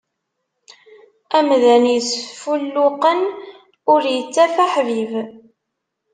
Amdan isfulluqen, ur ittaf iḥbiben.